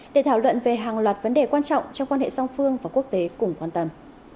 để thảo luận về hàng loạt vấn đề quan trọng trong quan hệ song phương và quốc tế cùng quan tâm